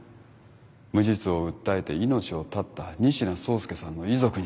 無実を訴えて命を絶った仁科壮介さんの遺族に。